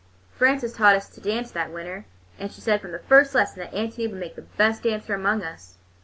Frances taught us to dance that winter, and she said, from the first lesson, that Ántonia would make the best dancer among us.